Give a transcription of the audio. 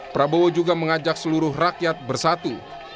prabowo juga mengajak seluruh rakyat bersatu